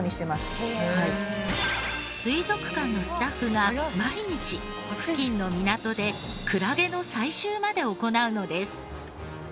水族館のスタッフが毎日付近の港でクラゲの採集まで行うのです。